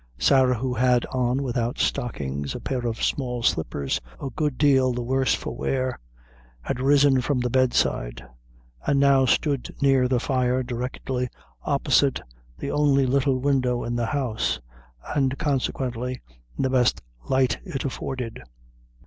Sarah who had on, without stockings, a pair of small slippers, a good deal the worse for wear, had risen from the bed side, and now stood near the fire, directly opposite the only little window in the house, and, consequently, in the best light it afforded.